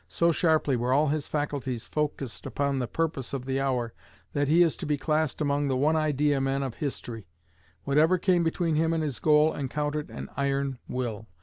So sharply were all his faculties focused upon the purpose of the hour that he is to be classed among the one idea men of history. Whatever came between him and his goal encountered an iron will....